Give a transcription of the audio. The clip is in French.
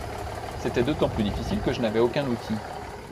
C’était d’autant plus difficile que je n’avais aucun outil.